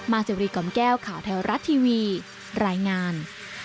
มาเศวรีก่อมแก้วขาวแถวรัดทีวีรายงาน